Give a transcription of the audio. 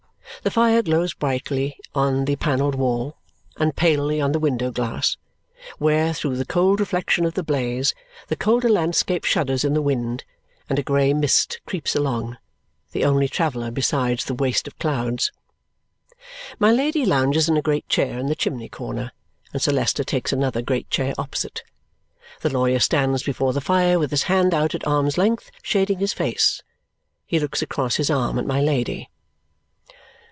The fire glows brightly on the panelled wall and palely on the window glass, where, through the cold reflection of the blaze, the colder landscape shudders in the wind and a grey mist creeps along, the only traveller besides the waste of clouds. My Lady lounges in a great chair in the chimney corner, and Sir Leicester takes another great chair opposite. The lawyer stands before the fire with his hand out at arm's length, shading his face. He looks across his arm at my Lady.